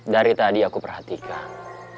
dari tadi aku perhatikan